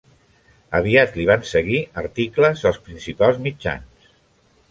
Aviat li van seguir articles als principals mitjans.